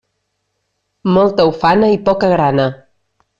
Molta ufana i poca grana.